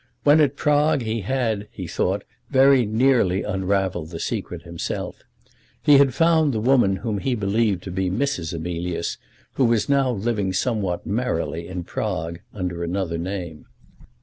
When at Prague he had, he thought, very nearly unravelled the secret himself. He had found the woman whom he believed to be Mrs. Emilius, and who was now living somewhat merrily in Prague under another name.